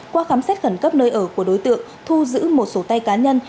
qua khám xét khẩn cấp nơi ở của đối tượng thu giữ một sổ tay cá nhân